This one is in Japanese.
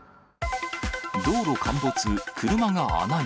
道路陥没、車が穴に。